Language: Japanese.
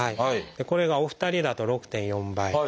これがお二人だと６．４倍。